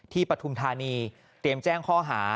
ปฐุมธานีเตรียมแจ้งข้อหา